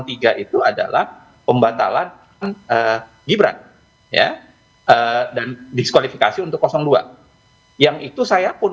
tiga itu adalah pembatalan gibran ya dan diskualifikasi untuk dua yang itu saya pun